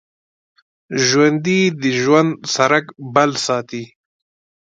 ژوندي د ژوند څرک بل ساتي